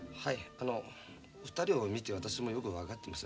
あの２人を見て私もよく分かってます。